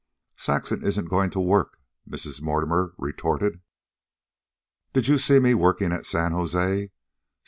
"Saxon isn't going to work," Mrs. Mortimer retorted. "Did you see me working at San Jose?